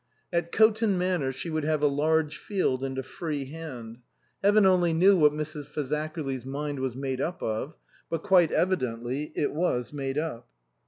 At Coton Manor she would have a large field and a free hand. Heaven only knew what Mrs. Fazakerly's mind was made up of ; but quite evidently it was made up.